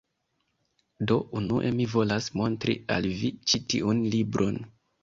Do, unue mi volas montri al vi ĉi tiun libron